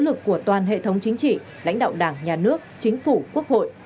nỗ lực của toàn hệ thống chính trị lãnh đạo đảng nhà nước chính phủ quốc hội